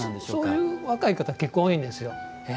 そういう若い方結構多いんですよ。